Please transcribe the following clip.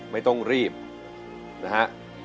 ไม่ต้องรีบนะฮะ